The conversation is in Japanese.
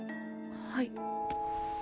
はい。